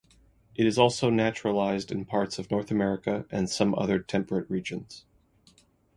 It is also naturalised in parts of North America and some other temperate regions.